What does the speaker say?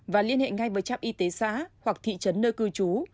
và liên hệ ngay với trạm y tế xã hoặc thị trấn nơi cư trú